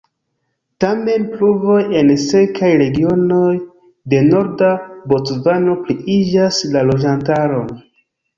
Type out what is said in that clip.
Tamen pluvoj en sekaj regionoj de norda Bocvano pliiĝas la loĝantaron.